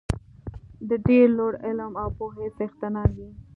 د ډېر لوړ علم او پوهې څښتنان وي.